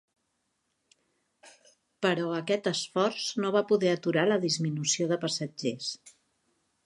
Però aquest esforç no va poder aturar la disminució de passatgers.